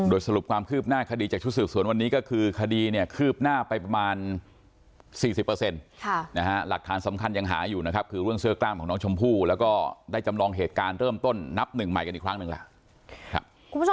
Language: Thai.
โดยสรุปความคืบหน้าคดีจากชุดสืบสวนวันนี้ก็คือคดีเนี่ยคืบหน้าไปประมาณ๔๐หลักฐานสำคัญยังหาอยู่นะครับคือเรื่องเสื้อกล้ามของน้องชมพู่แล้วก็ได้จำลองเหตุการณ์เริ่มต้นนับหนึ่งใหม่กันอีกครั้งหนึ่งล่ะ